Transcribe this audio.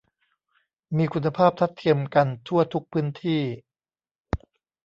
มีคุณภาพทัดเทียมกันทั่วทุกพื้นที่